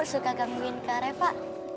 suka gangguin kak reva